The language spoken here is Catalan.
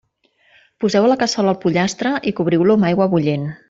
Poseu a la cassola el pollastre i cobriu-lo amb aigua bullent.